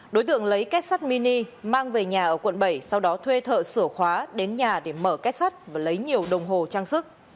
đối tượng lấy kết sắt mini mang về nhà ở quận bảy sau đó thuê thợ sửa khóa đến nhà để mở kết sắt và lấy nhiều đồng hồ trang sức